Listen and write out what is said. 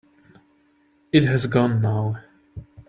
It has gone now.